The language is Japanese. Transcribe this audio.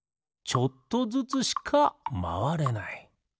ちょっとずつしかまわれない。